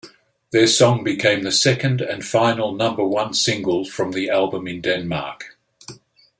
The song became their second and final number-one single from the album in Denmark.